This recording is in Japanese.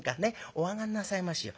お上がんなさいましよ。